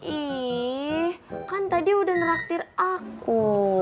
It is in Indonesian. ih kan tadi udah neraktir aku